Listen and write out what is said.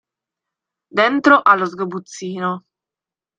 Dentro allo sgabuzzino.